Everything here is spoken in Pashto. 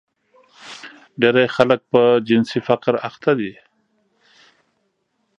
ډېری خلک په جنسي فقر اخته دي.